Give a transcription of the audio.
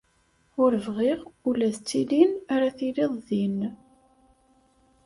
Ur bɣiɣ ula d tilin ara tiliḍ din.